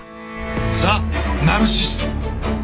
ザ・ナルシスト。